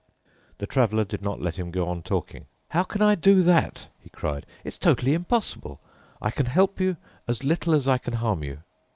The Traveler did not let him go on talking. "How can I do that," he cried. "It's totally impossible. I can help you as little as I can harm you."